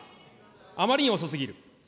あまりに遅すぎる。